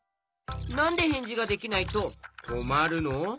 なんでへんじができないとこまるの？